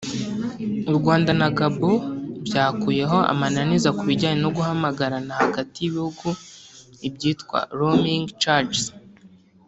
u Rwanda na Gabon byakuyeho amananiza mu bijyanye no guhamagarana hagati y’ibihugu ibyitwa “Roaming Charges”